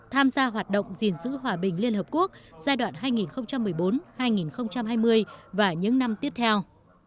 tham gia hoạt động gìn giữ hòa bình liên hợp quốc giai đoạn hai nghìn một mươi bốn hai nghìn hai mươi và những năm tiếp theo